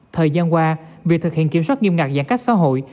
thời gian qua việc thực hiện kiểm soát nghiêm ngặt giãn cách xã hội